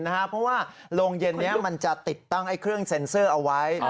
เพราะว่าโรงเย็นนี้มันจะติดตั้งเครื่องเซ็นเซอร์เอาไว้